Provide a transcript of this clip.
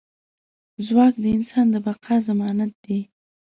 ځواک د انسان د بقا ضمانت دی.